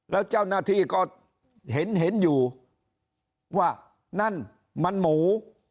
แล้วเจ้าหน้าที่ก็เห็นเห็นอยู่ว่านั่นมันหมู